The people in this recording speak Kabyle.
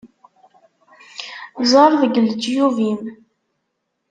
Ẓer deg leǧyub-im!